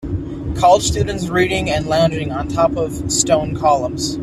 College students reading and lounging on top of stone columns.